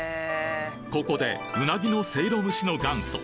ここでうなぎのせいろ蒸しの元祖